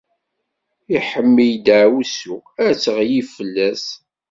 Iḥemmel deɛwessu: ad d-teɣli fell-as.